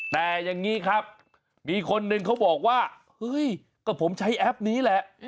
แต่อย่างนี้ครับมีคนหนึ่งเขาบอกว่าเฮ้ยก็ผมใช้แอปนี้แหละ